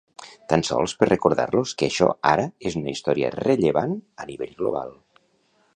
Tan sols per recordar-los que això ara és una història rellevant a nivell global.